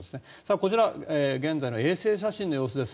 こちらは現在の衛星写真の様子です。